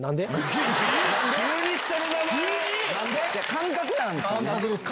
感覚なんすよね。